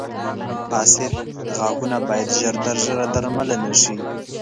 • فاسد غاښونه باید ژر تر ژره درملنه شي.